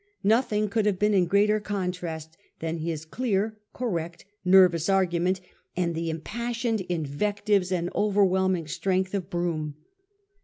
Nothing could have been in greater contrast than his clear, correct, nervous argument, and the impassioned invectives and overwhelming strength of Brougham.